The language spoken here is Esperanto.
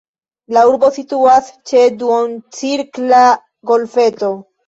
La urbo situas ĉe duoncirkla golfeto.